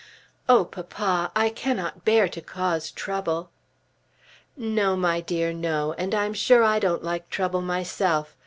"Oh, papa; I cannot bear to cause trouble." "No, my dear; no; and I'm sure I don't like trouble myself.